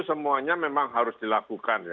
semuanya memang harus dilakukan